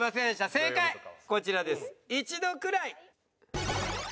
正解こちらです。